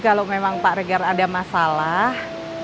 kalau memang pak regar ada masalah